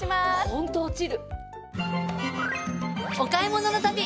ホント落ちる。